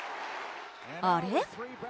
あれ？